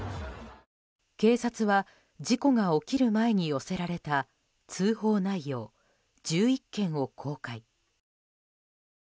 警察は、事故が起きる前に寄せられた通報内容１１件を公開。